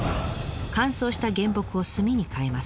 乾燥した原木を炭に変えます。